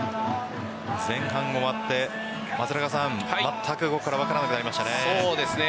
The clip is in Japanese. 前半終わってまったくここから分からなくなりましたね。